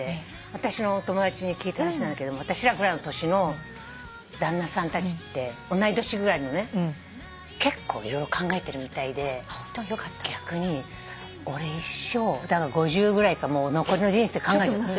私のお友達に聞いた話なんだけども私らぐらいの年の旦那さんたちって同い年ぐらいのね結構色々考えてるみたいで逆に「俺一生」５０ぐらいから残りの人生考えちゃう。